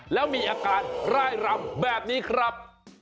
แล้วมีอาการร่ายรำแบบนี้ครับ